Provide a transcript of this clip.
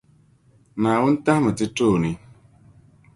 Naawuni tahimi ti tooni.